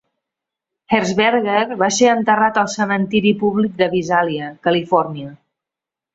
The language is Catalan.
Hershberger va ser enterrat al cementiri públic de Visalia, Califòrnia.